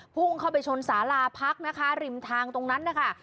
พุ่งเข้าไปชนสาราพักนะคะริมทางตรงนั้นนะคะ